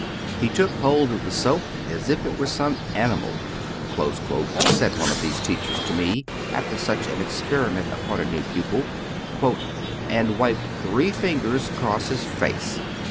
He took hold of the soap as if it were some animal," said one of these teachers to me after such an experiment upon a new pupil, "and wiped three fingers across his face.